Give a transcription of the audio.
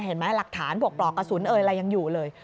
เห็นไหมหลักฐานปลอกต่อกระสุนอะไรอยู่เลย